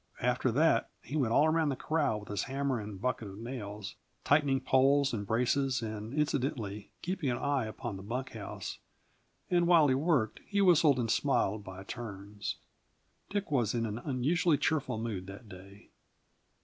After that he went all around the corral with his hammer and bucket of nails, tightening poles and braces and, incidentally, keeping an eye upon the bunk house; and while he worked, he whistled and smiled by turns. Dick was in an unusually cheerful mood that day.